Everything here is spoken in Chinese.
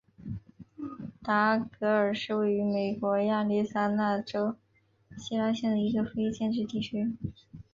达格尔是位于美国亚利桑那州希拉县的一个非建制地区。